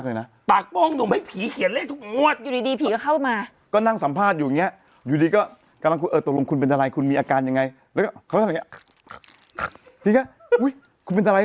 อย่างเงี้ยพี่ก็อ้าวเฮ้ยอะไรวะบอกคุณเป็นใครเนี่ยคุณเป็นใคร